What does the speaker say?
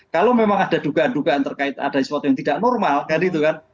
kalau memang ada dugaan dugaan terkait ada sesuatu yang tidak normal kan itu kan